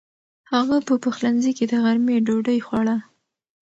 هغه په پخلنځي کې د غرمې ډوډۍ خوړه.